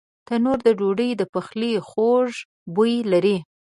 تنور د ډوډۍ د پخلي خواږه بوی لري